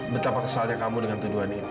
betapa kesalnya kamu dengan tujuan itu